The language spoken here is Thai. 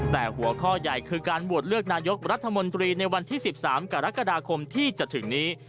แต่หัวข้อใหญ่คือการโหวตเลือกนายกรัฐมนตรีในวันที่๑๓กรกฎาคมที่จะถึงนี้